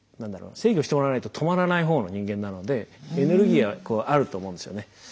制御してもらわないと止まらない方の人間なのでエネルギーはこうあると思うんですよね。